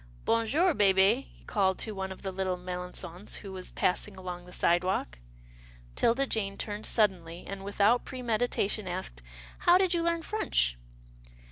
Bon jour, hehe," he called to one of the little Melangons who was passing along the sidewalk. 'Tilda Jane turned suddenly, and, without pre meditation, asked, "How did you learn French?"